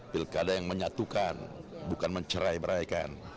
pilkada yang menyatukan bukan mencerai beraikan